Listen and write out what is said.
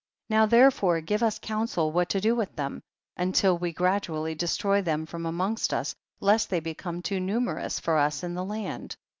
5. Now therefore give us counsel what to do with them, until we gra dually destroy them from amongst us, lest they become too numerous for us in the land.